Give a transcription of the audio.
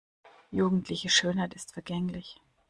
Jugendliche Schönheit ist vergänglich.